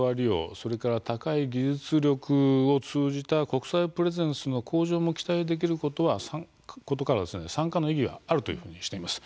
それから高い技術力を通じた国際プレゼンスの向上を期待できることから参加の意義はあるとしています。